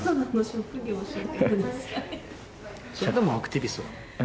それでもアクティビスト。